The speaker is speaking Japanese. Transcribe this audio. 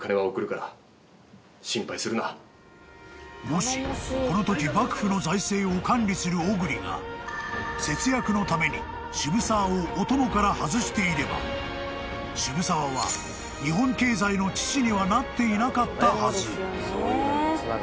［もしこのとき幕府の財政を管理する小栗が節約のために渋沢をお供から外していれば渋沢は日本経済の父にはなっていなかったはず］